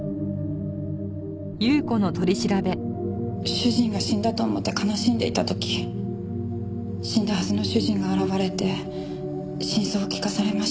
主人が死んだと思って悲しんでいた時死んだはずの主人が現れて真相を聞かされました。